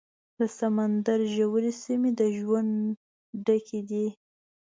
د سمندر ژورې سیمې د ژوند ډکې دي.